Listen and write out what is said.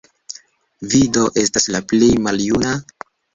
Vi do estas la plej maljuna?